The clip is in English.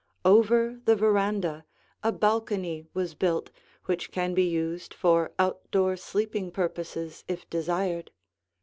Over the veranda a balcony was built which can be used for outdoor sleeping purposes if desired.